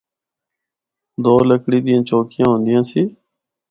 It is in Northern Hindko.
دو لکڑی دیاں چوکیاں ہوندیاں سی۔